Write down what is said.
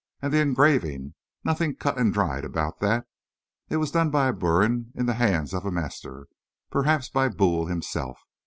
And the engraving nothing cut and dried about that. It was done by a burin in the hands of a master perhaps by Boule himself.